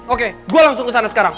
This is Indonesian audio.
oke gue langsung kesana sekarang